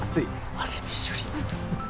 汗びっしょり。